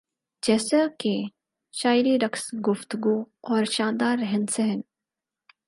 جیسا کہ شاعری رقص گفتگو اور شاندار رہن سہن